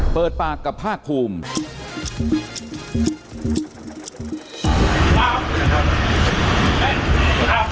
เปิดปากกับภาคภูมิ